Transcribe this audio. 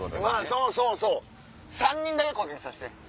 そうそうそう３人だけ声掛けさせて。